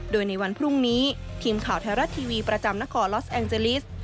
โดยในวันพรุ่งนี้ทีมข่าวไทยรัฐทีวีประจำนครลอสแองเจลิส